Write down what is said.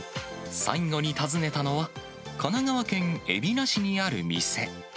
最後に訪ねたのは、神奈川県海老名市にある店。